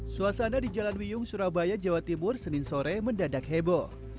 suasana di jalan wiyung surabaya jawa timur senin sore mendadak heboh